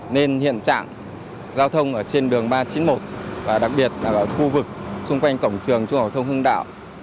nên hiện trạng giao thông ở trên đường ba trăm chín mươi một và đặc biệt là khu vực xung quanh cổng trường trung hội thông hưng đạo